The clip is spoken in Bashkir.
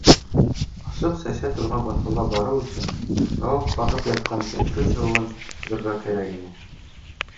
Ашлыҡ сәсә торған баҫыуға барыу өсөн шаулап ағып ятҡан Кәкруй һыуын сығырға кәрәк ине.